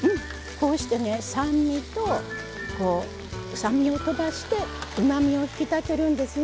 こうしてね酸味とこう酸味をとばしてうまみを引き立てるんですね。